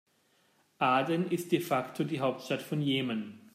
Aden ist de facto die Hauptstadt von Jemen.